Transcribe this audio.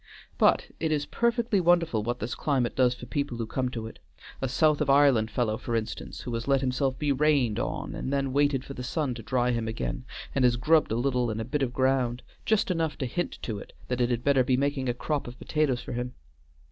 But it is perfectly wonderful what this climate does for people who come to it, a south of Ireland fellow, for instance, who has let himself be rained on and then waited for the sun to dry him again, and has grubbed a little in a bit of ground, just enough to hint to it that it had better be making a crop of potatoes for him.